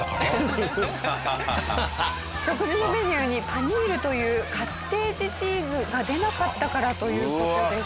食事のメニューにパニールというカッテージチーズが出なかったからという事です。